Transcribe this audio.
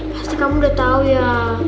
pasti kamu udah tahu ya